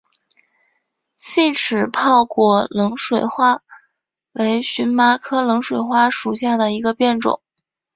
细齿泡果冷水花为荨麻科冷水花属下的一个变种。